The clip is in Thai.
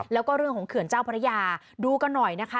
แล้วก็เรื่องของเขื่อนเจ้าพระยาดูกันหน่อยนะคะ